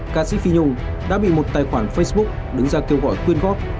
ca sĩ phi nhung đã bị một tài khoản facebook đứng ra kêu gọi quyên góp